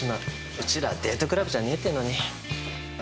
うちらはデートクラブじゃねえってのに。